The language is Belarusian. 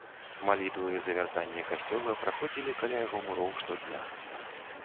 Малітвы за вяртанне касцёла праходзілі каля яго муроў штодня.